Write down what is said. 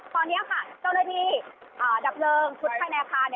ตอนนี้ค่ะเจ้าหน้าที่ดับเพลิงชุดภายในอาคาร